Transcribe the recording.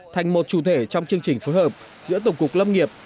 thành một chủ thể trong chương trình phối hợp giữa tổng cục lâm nghiệp